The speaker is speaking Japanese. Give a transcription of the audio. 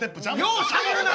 ようしゃべるな！